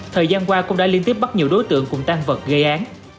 thời gian qua cũng đã liên tiếp bắt nhiều đối tượng cùng tan vật gây án